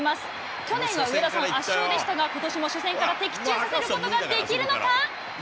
去年は上田さん圧勝でしたが、ことしも初戦から的中させることができるのか。